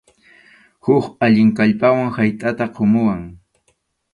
Huk allin kallpawan haytʼata qumuwan.